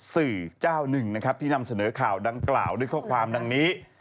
สื่อเจ้าหนึ่งนะครับที่นำเสนอข่าวดังกล่าวด้วยข้อความดังนี้